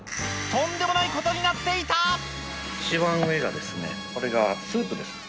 とんでもないことになってい一番上が、これがスープです。